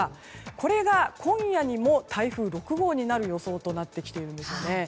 これが今夜にも台風６号になる予想となってきているんですね。